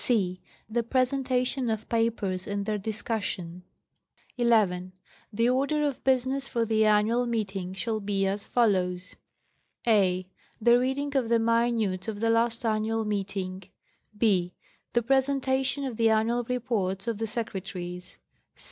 c. The presentation of papers and their discussion. 11.—The order of business for the annual meeting shall be as follows : a. The reading of the minutes of the last annual meeting. b. The presentation of the annual reports of the Secre taries.